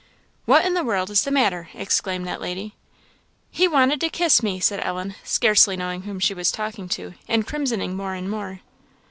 "What in the world is the matter?" exclaimed that lady. "He wanted to kiss me!" said Ellen, scarce knowing whom she was talking to, and crimsoning more and more.